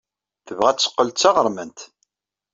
Tebɣa ad teqqel d taɣermant.